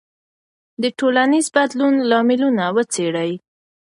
د ټولنیز بدلون لاملونه وڅېړئ.